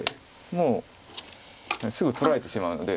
もうすぐ取られてしまうので。